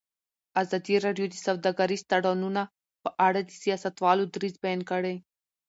ازادي راډیو د سوداګریز تړونونه په اړه د سیاستوالو دریځ بیان کړی.